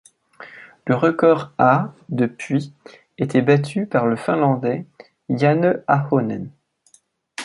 Le record a, depuis, été battu par le finlandais Janne Ahonen.